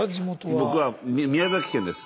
僕は宮崎県です。